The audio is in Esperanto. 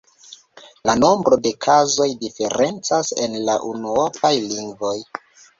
La nombro de kazoj diferencas en la unuopaj lingvoj.